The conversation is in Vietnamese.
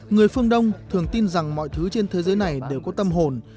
người phương đông thường tin rằng mọi thứ trên thế giới này đều có tâm hồn